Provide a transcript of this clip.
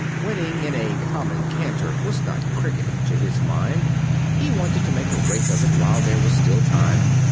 Winning in a common canter was not cricket to his mind. He wanted to make a race of it while there was still time.